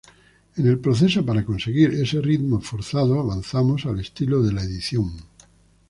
En el proceso para conseguir ese ritmo forzado, avanzamos el estilo de la edición’.